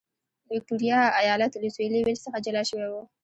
ویکټوریا ایالت له سوېلي ویلز څخه جلا شوی و.